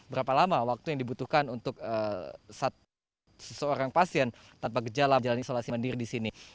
berapa lama waktu yang dibutuhkan untuk seseorang pasien tanpa gejala menjalani isolasi mandiri di sini